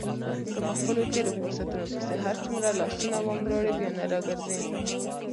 که په خپلو تېرو فرصتونو پسې هرڅومره لاسونه ومروړې بیا نه را ګرځي.